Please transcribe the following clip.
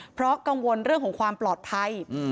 เพราะกังวลเรื่องของความปลอดภัย